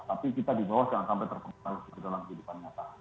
tapi kita di bawah jangan sampai terpengaruh dalam kehidupan nyata